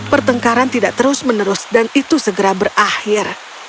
pertengkaran tidak terus menerus dan itu segera berakhir